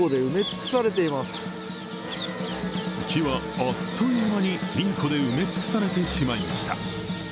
木はあっという間にインコで埋め尽くされてしまいました。